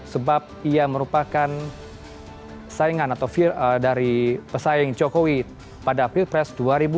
sebab ia merupakan saingan atau dari pesaing jokowi pada pilpres dua ribu dua puluh